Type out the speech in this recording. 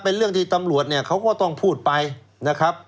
เป็นเรื่องที่ตำรวจเนี่ยเขาก็ต้องพูดไปนะครับ